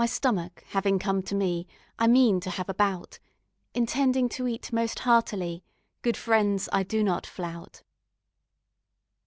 My stomach having come to me, I mean to have a bout, Intending to eat most heartily; Good friends, I do not flout.